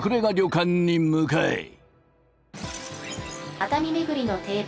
熱海巡りの定番